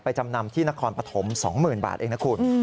จำนำที่นครปฐม๒๐๐๐บาทเองนะคุณ